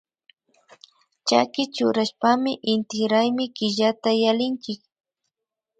Chaki churashpami inti raymi killata yallinchik